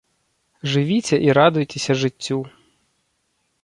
Жывіце і радуйцеся жыццю.